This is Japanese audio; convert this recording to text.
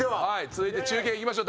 続いて中堅いきましょう。